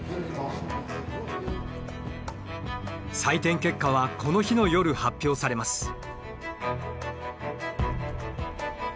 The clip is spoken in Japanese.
採点結果はこの日の夜発表されます。